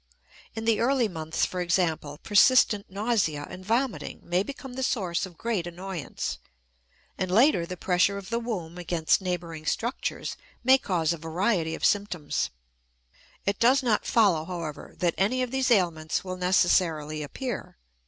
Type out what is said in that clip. In the early months, for example, persistent nausea and vomiting may become the source of great annoyance, and later the pressure of the womb against neighboring structures may cause a variety of symptoms. It does not follow, however, that any of these ailments will necessarily appear.